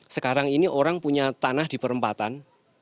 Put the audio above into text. sekarang ini orang punya tanah di perempatan